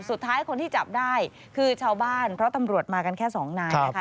สุดท้ายคนที่จับได้คือชาวบ้านเพราะตำรวจมากันแค่สองนายนะคะ